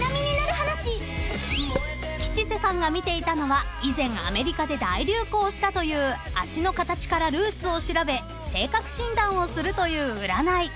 ［吉瀬さんが見ていたのは以前アメリカで大流行したという足の形からルーツを調べ性格診断をするという占い］